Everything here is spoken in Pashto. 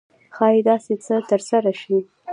ښایي داسې څه ترسره شي.